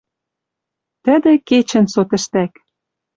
Тӹдӹ кечӹнь со тӹштӓк.